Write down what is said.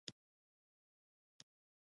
ځینې کسان له طالبتوبه یې لاس اخیستی دی.